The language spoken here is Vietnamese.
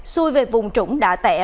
xuôi về vùng trũng đạ tẻ